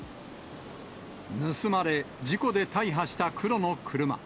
盗まれ、事故で大破した黒の車。